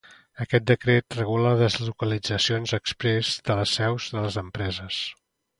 Aquest decret regula les deslocalitzacions exprés de les seus de les empreses.